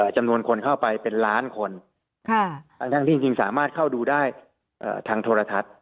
จำนวนคนเข้าไปเป็นล้านคนทั้งที่จริงสามารถเข้าดูได้ทางโทรทัศน์